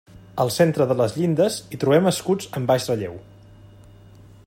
Al centre de les llindes hi trobem escuts en baix relleu.